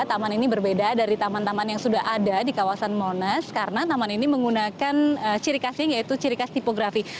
taman ini berbeda dari taman taman yang sudah ada di kawasan monas karena taman ini menggunakan ciri khasnya yaitu ciri khas tipografi